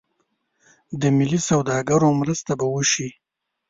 د ملي سوداګرو مرسته به وشي.